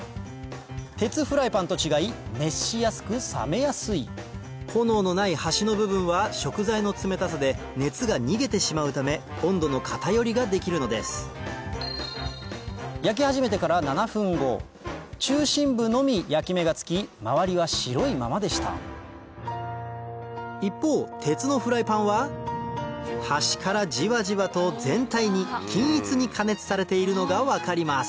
鉄フライパンと違い熱しやすく冷めやすい炎のない端の部分は食材の冷たさで熱が逃げてしまうため温度の偏りができるのです焼き始めてから７分後中心部のみ焼き目がつき周りは白いままでした一方鉄のフライパンは端からジワジワと全体に均一に加熱されているのが分かります